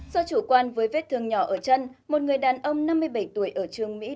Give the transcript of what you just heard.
do chủ quan với vết thương nhỏ ở chân một người đàn ông năm mươi bảy tuổi ở trường mỹ